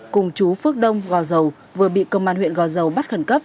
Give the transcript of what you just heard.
cùng chú phước đông gò dầu vừa bị công an huyện gò dầu bắt khẩn cấp